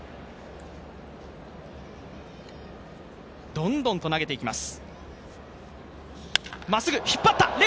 どんどんと投げていきます。